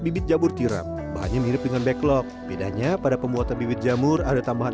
bibit jamur tiram bahannya mirip dengan backlog bedanya pada pembuatan bibit jamur ada tambahan